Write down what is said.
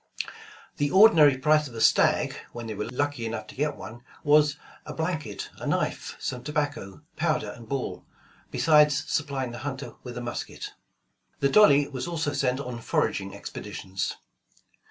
The ordinary price of a stag, when they were lucky enough to get one, was a "a blanket, a knife, some tobacco, powder and ball, besides supplying the hunter with a musket." The Dolly was also sent on foraging expeditions.